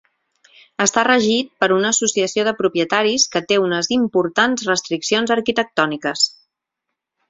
Està regit per una associació de propietaris que té unes importants restriccions arquitectòniques.